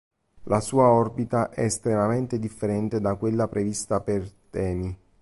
La sua orbita è estremamente differente da quella prevista per Temi.